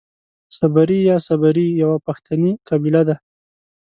صبري يا سبري يوۀ پښتني قبيله ده.